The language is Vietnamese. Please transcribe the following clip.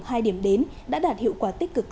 hai điểm đến đã đạt hiệu quả tích cực